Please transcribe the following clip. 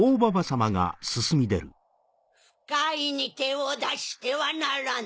・腐海に手を出してはならぬ！